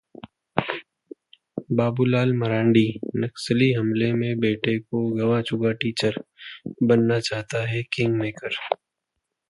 बाबूलाल मरांडी: नक्सली हमले में बेटे को गंवा चुका टीचर, बनना चाहता है किंगमेकर